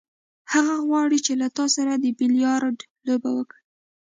هغه غواړي چې له تا سره د بیلیارډ لوبه وکړي.